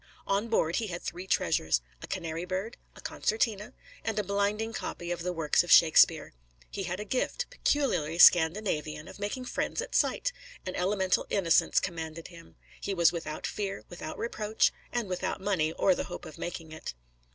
On board he had three treasures: a canary bird, a concertina, and a blinding copy of the works of Shakespeare. He had a gift, peculiarly Scandinavian, of making friends at sight: an elemental innocence commended him; he was without fear, without reproach, and without money or the hope of making it.